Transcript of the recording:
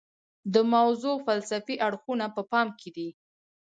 د موضوع فلسفي اړخونه په پام کې دي.